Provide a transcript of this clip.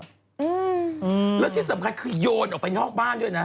อืมแล้วที่สำคัญคือโยนออกไปนอกบ้านด้วยนะ